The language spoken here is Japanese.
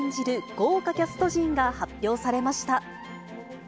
豪華キャスト陣が発表されました。